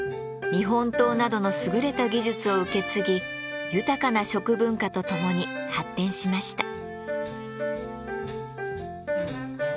日本刀などの優れた技術を受け継ぎ豊かな食文化とともに発展しました。